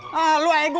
gue kan ke citra